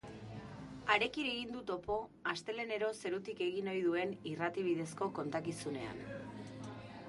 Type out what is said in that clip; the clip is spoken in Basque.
Harekin egin du topo, astelehenero zerutik egin ohi duen irrati bidezko kontakizunean.